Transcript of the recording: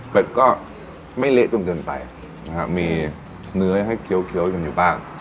เป็ดก็ไม่เละจนเกินไปนะฮะมีเนื้อให้เคี้ยวเคี้ยวอยู่บ้าง